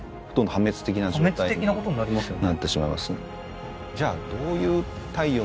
破滅的なことになりますよね。